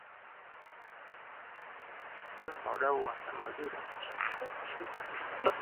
Chưa ráo máu đầu mà đã rành rọt chuyện trăng hoa